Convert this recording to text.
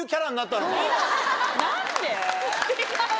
何で？